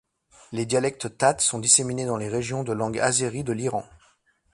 Les dialectes tats sont disséminés dans les régions de langue azérie de l'Iran.